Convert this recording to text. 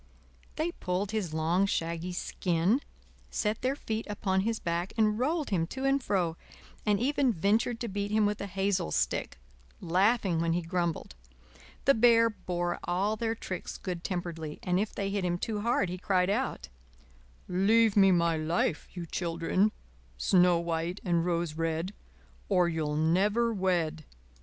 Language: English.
They pulled his long, shaggy skin, set their feet upon his back and rolled him to and fro, and even ventured to beat him with a hazel stick, laughing when he grumbled. The Bear bore all their tricks good temperedly, and if they hit him too hard he cried out: "Leave me my life, you children, Snow White and Rose Red, Or you'll never wed."